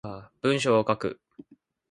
文章を書く